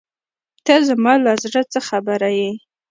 ته زما له زړۀ څه خبر یې.